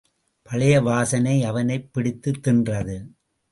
பழைய வாசனை அவனைப் பிடித்துத் தின்றது.